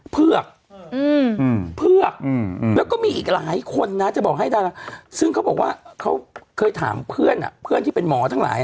เผือกเผือกแล้วก็มีอีกหลายคนนะจะบอกให้ดาราซึ่งเขาบอกว่าเขาเคยถามเพื่อนเพื่อนที่เป็นหมอทั้งหลาย